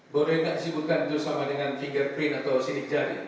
boleh enggak sibukkan itu sama dengan fingerprint atau sidik jari